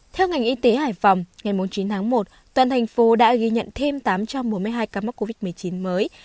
theo ngành y tế hải phòng ngày chín tháng một toàn thành phố đã ghi nhận thêm tám trăm bốn mươi hai ca mắc covid một mươi chín mới